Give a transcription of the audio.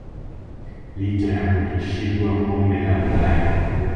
licha ya kutoshindwa kombe la Ulaya